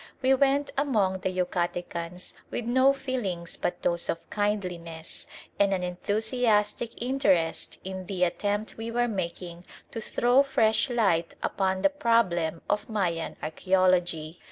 We went among the Yucatecans with no feelings but those of kindliness, and an enthusiastic interest in the attempt we were making to throw fresh light upon the problem of Mayan archæology.